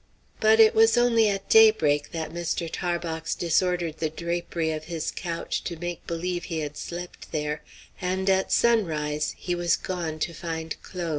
But it was only at daybreak that Mr. Tarbox disordered the drapery of his couch to make believe he had slept there, and at sunrise he was gone to find Claude.